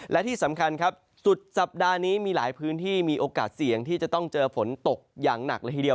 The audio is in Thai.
และที่สำคัญครับสุดสัปดาห์นี้มีหลายพื้นที่มีโอกาสเสี่ยงที่จะต้องเจอฝนตกอย่างหนักเลยทีเดียว